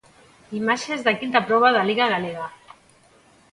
Imaxes da quinta proba da Liga Galega.